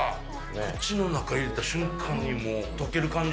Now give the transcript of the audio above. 口の中入れた瞬間にもうとける感じ。